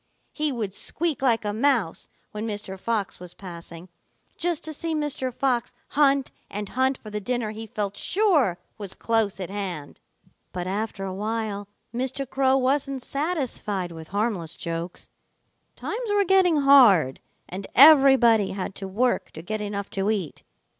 He would squeak like a mouse when Mr. Fox was passing, just to see Mr. Fox hunt and hunt for the dinner he felt sure was close at hand. "But after a while Mr. Crow wasn't satisfied with harmless jokes. Times were getting hard, and everybody had to work to get enough to eat.